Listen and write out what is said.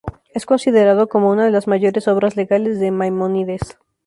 Es considerado como una de las mayores obras legales de Maimónides.